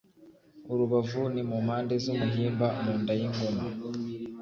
urubavu ni mu mpande z'umuhimba Mu nda y'ingoma